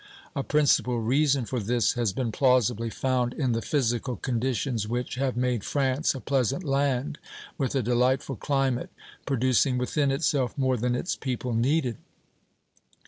A principal reason for this has been plausibly found in the physical conditions which have made France a pleasant land, with a delightful climate, producing within itself more than its people needed.